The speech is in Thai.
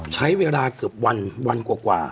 ใช้เวลาเกือบวันกว่า